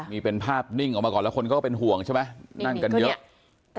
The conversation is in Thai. นี่เป็นภาพนิ่งออกมาก่อนแล้วคนเขาก็เป็นห่วงใช่ไหมนั่งกันเยอะ